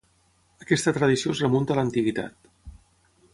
Aquesta tradició es remunta a l'antiguitat.